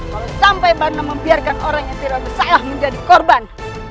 kalau sampai mana membiarkan orang yang tidak bersalah menjadi korban